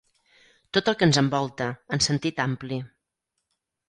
Tot el que ens envolta, en sentit ampli.